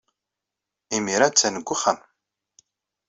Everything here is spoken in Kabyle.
Imir-a, attan deg uxxam.